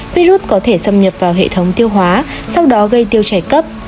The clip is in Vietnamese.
virus có thể xâm nhập vào hệ thống tiêu hóa sau đó gây tiêu chảy cấp